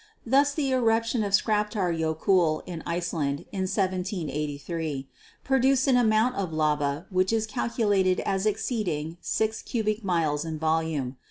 Thus the eruption of Skaptar Jokul in Iceland, in 1783, produced an amount of lava which is calculated as exceeding six cubic miles in volume.